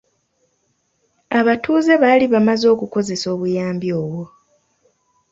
Abatuze baali bamaze okukozesa obuyambi obwo.